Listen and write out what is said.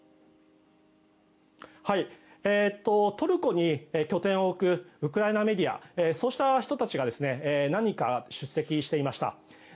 トルコに拠点を置くウクライナメディアそうした人たちが何人か出席していました。